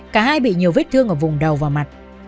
cả hai bị nhiều vết thương ở vùng đầu và mặt